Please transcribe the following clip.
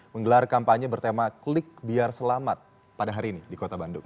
menggelar kampanye bertema klik biar selamat pada hari ini di kota bandung